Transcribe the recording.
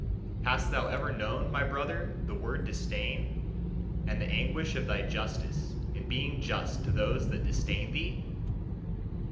Hast thou ever known, my brother, the word "disdain"? And the anguish of thy justice in being just to those that disdain thee?